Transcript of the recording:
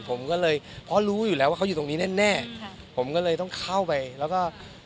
ผมก็เลยเพราะรู้อยู่แล้วว่าเขาอยู่ตรงนี้แน่แน่ค่ะผมก็เลยต้องเข้าไปแล้วก็